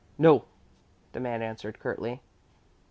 "No," the man answered curtly.